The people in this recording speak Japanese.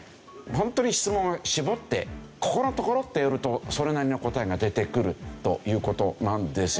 本当に質問を絞ってここのところってやるとそれなりの答えが出てくるという事なんですよ。